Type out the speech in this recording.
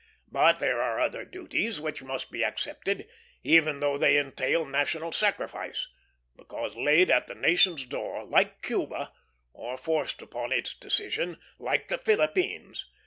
But there are other duties which must be accepted, even though they entail national sacrifice, because laid at the nation's door, like Cuba, or forced upon its decision, like the Philippines.